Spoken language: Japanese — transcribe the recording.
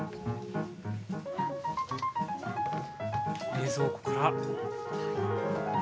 冷蔵庫から。